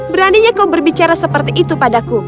beraninya kau berbicara seperti itu padaku